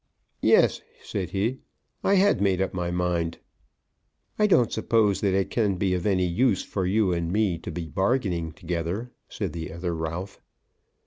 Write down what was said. "Yes," said he. "I had made up my mind." "I don't suppose it can be of any use for you and me to be bargaining together," said the other Ralph.